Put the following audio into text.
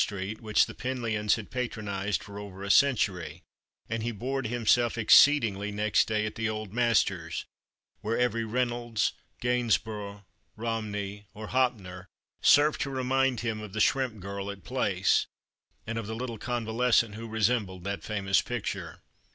Street which the Penlyons had patronized for over a century, and he bored himself exceedingly next day at the Old Masters, where every Eeynolds, Gainsborough, Eomney, or Hopner served to remind him of the Shrimp Girl at Place, and of the little convalescent who resembled that famous picture.